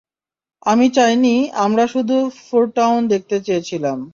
আমরা চাইনি, আমরা শুধু ফোরটাউন দেখতে চেয়েছিলাম।